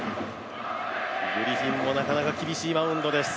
グリフィンもなかなか厳しいマウンドです。